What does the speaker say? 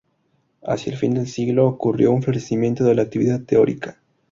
Hacia el fin del siglo, ocurrió un florecimiento de la actividad teórica.